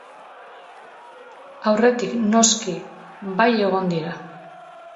Aurretik, noski, bai egon dira.